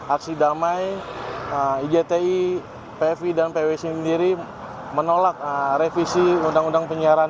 aksi damai igti pfi dan pwc sendiri menolak revisi undang undang penyiaran